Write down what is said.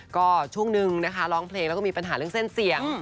ก็ช่วงนึงนะคะร้องเพลงแล้วก็มีปัญหาเรื่องเส้นเสียง